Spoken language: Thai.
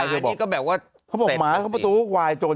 เค้าบอกหมาเขาเป็นตัวเข้าควายจน